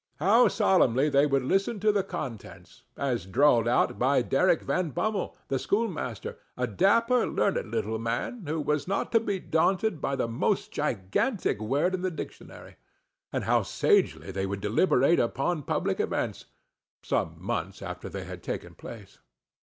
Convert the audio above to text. How solemnly they would listen to the contents, as drawled out by Derrick Van Bummel, the[Pg 6] schoolmaster, a dapper learned little man, who was not to be daunted by the most gigantic word in the dictionary; and how sagely they would deliberate upon public events some months after they had taken place.